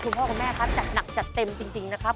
คุณพ่อคุณแม่ครับจัดหนักจัดเต็มจริงนะครับ